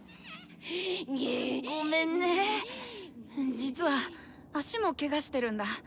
実は足もケガしてるんだ。